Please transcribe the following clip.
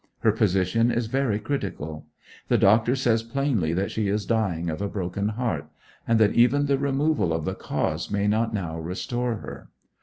Her position is very critical. The doctor says plainly that she is dying of a broken heart and that even the removal of the cause may not now restore her.